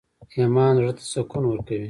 ایمان زړه ته سکون ورکوي؟